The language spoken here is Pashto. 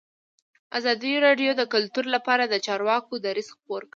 ازادي راډیو د کلتور لپاره د چارواکو دریځ خپور کړی.